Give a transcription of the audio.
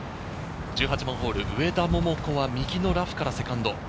１８番ホール、上田桃子は右のラフからセカンド。